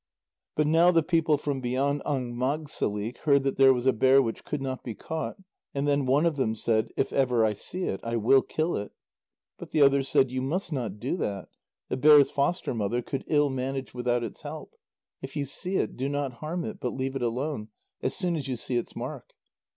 But now the people from beyond Angmagssalik heard that there was a bear which could not be caught, and then one of them said: "If ever I see it, I will kill it." But the others said: "You must not do that; the bear's foster mother could ill manage without its help. If you see it, do not harm it, but leave it alone, as soon as you see its mark."